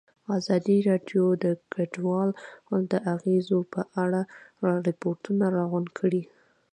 ازادي راډیو د کډوال د اغېزو په اړه ریپوټونه راغونډ کړي.